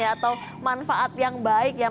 atau manfaat yang baik ya